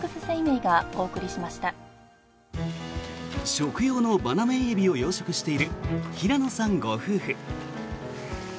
食用のバナメイエビを養殖している平野さんご夫婦。